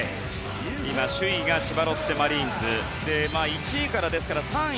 今、首位が千葉ロッテマリーンズ１位から３位